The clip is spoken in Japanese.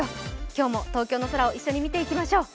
今日も東京の空を一緒に見ていきましょう。